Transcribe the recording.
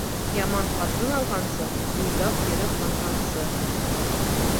Яман ҡатын алғансы, буйҙаҡ йөрө ҡанғансы.